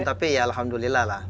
tapi ya alhamdulillah lah